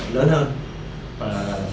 lớn hơn và